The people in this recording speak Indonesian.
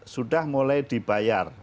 sudah mulai dibayar